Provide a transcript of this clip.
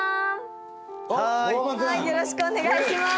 よろしくお願いします。